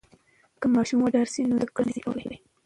که ماشوم وډار سي نو زده کړه نسي کولای.